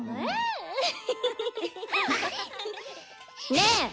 ねえ！